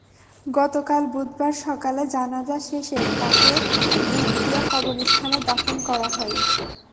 গতকাল বুধবার সকালে জানাজা শেষে তাঁকে রূপদিয়া কবরস্থানে দাফন করা হয়।